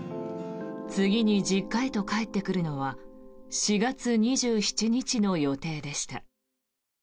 次に実家へと帰ってくるのは４月２７日の予定でした。